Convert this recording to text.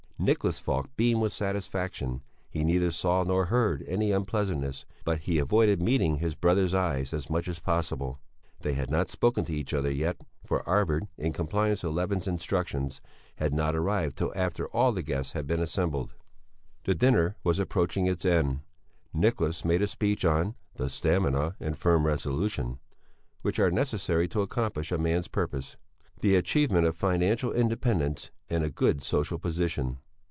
Nicholas Falk beamed with satisfaction; he neither saw nor heard any unpleasantness, but he avoided meeting his brother's eyes as much as possible. They had not spoken to each other yet, for Arvid, in compliance with Levin's instructions, had not arrived until after all the guests had been assembled. The dinner was approaching its end. Nicholas made a speech on "the stamina and firm resolution" which are necessary to accomplish a man's purpose: the achievement of financial independence and a good social position.